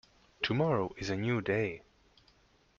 Tomorrow is a new day.